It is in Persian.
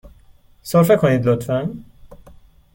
سرفه کنید، لطفاً.